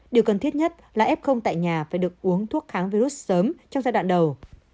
điều cần thiết nhất là f tại nhà phải được uống thuốc kháng virus sớm trong giai đoạn đầu